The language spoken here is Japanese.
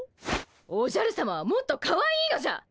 おじゃるさまはもっとかわいいのじゃ！